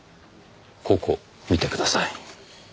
ここ見てください。